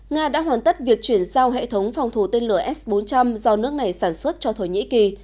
nga đã hoàn tất việc chuyển giao hệ thống phòng thủ tên lửa s bốn trăm linh do nước này sản xuất cho thổ nhĩ kỳ